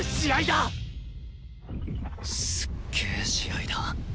すっげえ試合だ